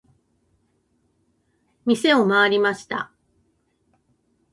店を回りました。